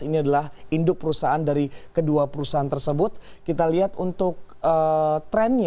ini adalah induk perusahaan